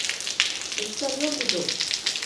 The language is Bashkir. Почтальон бит ул!